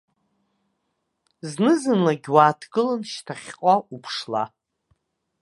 Зны-зынлагь уааҭгылан шьҭахьҟа уԥшла.